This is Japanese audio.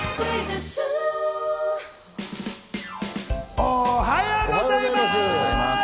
おはようございます！